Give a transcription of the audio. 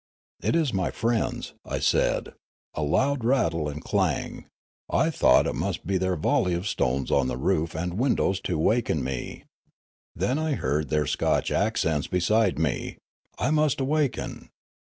" It is my friends," I said ; a loud rattle and clang, I thought, must be their volley of stones on the roof and windows to waken me. Then I heard their Scotch accents beside me. I must awaken.